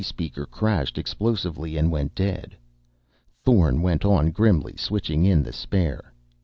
C. speaker crashed explosively and went dead. Thorn went on grimly, switching in the spare.